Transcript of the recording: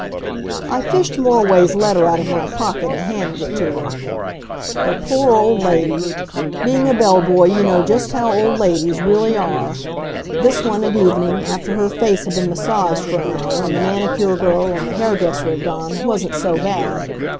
I fished Moriway's letter out of my pocket and handed it to her. The poor old lady! Being a bell boy you know just how old ladies really are. This one at evening, after her face had been massaged for an hour, and the manicure girl and the hair dresser had gone, wasn't so bad.